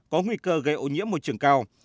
có nguy cơ gây ô nhiễm môi trường cao